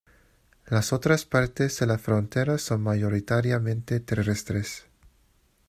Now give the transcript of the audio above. Las otras partes de la frontera son mayoritariamente terrestres.